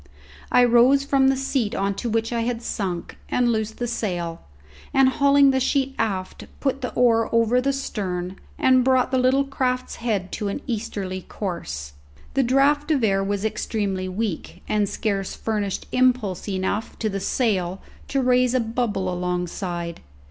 I rose from the seat on to which I had sunk and loosed the sail, and hauling the sheet aft, put the oar over the stern, and brought the little craft's head to an easterly course. The draught of air was extremely weak, and scarce furnished impulse enough to the sail to raise a bubble alongside.